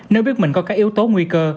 nếu biết mình có các yếu tố nguy cơ